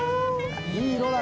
いい色だね。